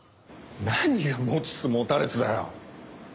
何が持ちつ持たれつだよ。